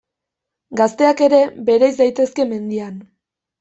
Gazteak ere bereiz daitezke mendian.